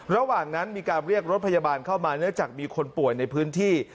ระหว่างนั้นมีการเรียกรถพยาบาลเข้ามาเนื่องจากมีคนป่วยในพื้นที่